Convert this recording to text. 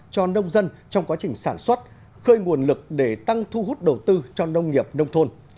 cho nông dân trong quá trình sản xuất khơi nguồn lực để tăng thu hút đầu tư cho nông nghiệp nông thôn